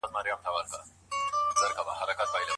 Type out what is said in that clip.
هر انسان باید د خپل تاریخ درناوی وکړي.